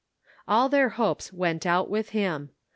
All their hopes went out with him.